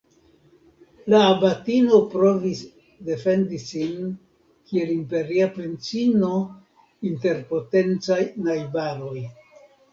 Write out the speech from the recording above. La abatino provis defendi sin kiel imperia princino inter potencaj najbaroj.